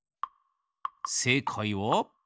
せいかいは。